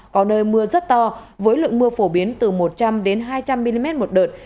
có nơi mưa rất to với lượng mưa phổ biến từ một trăm linh hai trăm linh mm một đợt